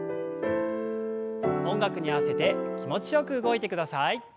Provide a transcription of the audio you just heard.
音楽に合わせて気持ちよく動いてください。